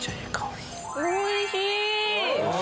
おいしい！